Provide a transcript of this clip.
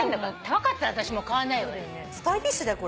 高かったら私も買わないわよ。